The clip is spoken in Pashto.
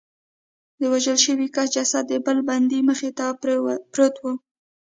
د وژل شوي کس جسد د بل بندي مخې ته پروت و